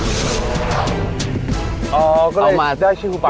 อ๋อก็ได้ชื่อจนปลาตาดจริงไหมครับ